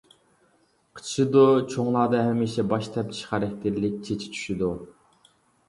قىچىشىدۇ، چوڭلاردا ھەمىشە باش تەپچىش خاراكتېرلىك چېچى چۈشىدۇ.